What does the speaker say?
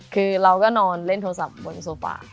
คือเราก็นอนเล่นโทรศัพท์บนโซฟา